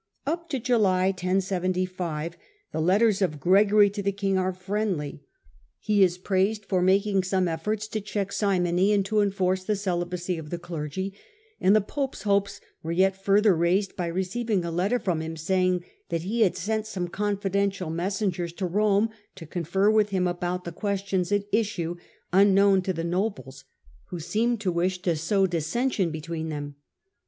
Up to July 1075, the letters of Gregory to the king ar^ friendly^ he ia_prsised for making some efforts to check simony, andjtg^^orce the celibacy of the clergy;/ and the pope's hopes were yet further raised by receiving a letter from him saying that he had sent some confidential messengers to Rome to confer with him about the questions at issue, un* known to the nobles, who seemed to wish to sow dis sension between them.